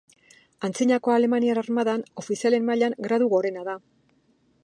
Antzinako alemaniar armadan, ofizialen mailan, gradu gorena da.